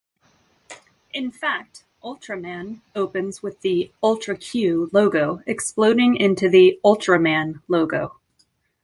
In fact, "Ultraman" opens with the "Ultra Q" logo exploding into the "Ultraman" logo.